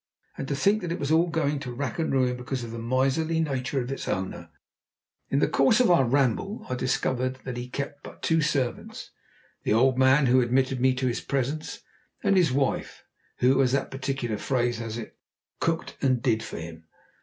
And to think that it was all going to rack and ruin because of the miserly nature of its owner. In the course of our ramble I discovered that he kept but two servants, the old man who had admitted me to his presence, and his wife, who, as that peculiar phrase has it, cooked and did for him.